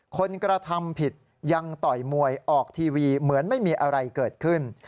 กระทำผิดยังต่อยมวยออกทีวีเหมือนไม่มีอะไรเกิดขึ้น